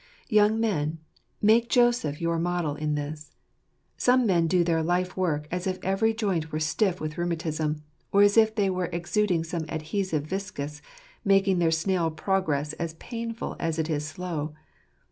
Young men, make Joseph your model in this. Some men do their lifework as if every joint were stiff with rheumatism, or as if they were exuding some adhesive viscus, making their snail progress as painful as it is slow.